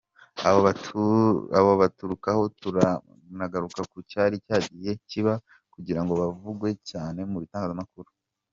Abo tugarukaho, turanagaruka ku cyari cyagiye kiba kugirango bavugwe cyane mu bitangazamakuru.